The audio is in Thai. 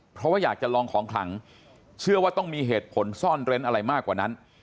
เพราะว่าอยากจะลองของขลังเชื่อว่าต้องมีเหตุผลซ่อนเร้นอะไรมากกว่านั้น